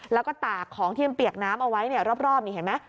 แล้วก็ตากของที่มันเปียกน้ำเอาไว้เนี่ยรอบนี่เห็นไหม